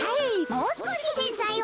もうすこしせんざいを。